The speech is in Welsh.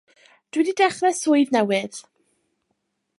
Dw i 'di dechra' swydd newydd.